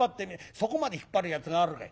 そこまで引っ張るやつがあるかい。